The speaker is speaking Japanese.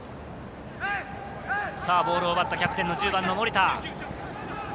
ボールを奪ったキャプテン・１０番の森田。